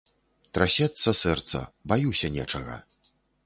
Трасецца сэрца, баюся нечага.